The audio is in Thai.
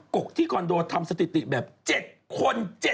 กกที่คอนโดทำสถิติแบบ๗คน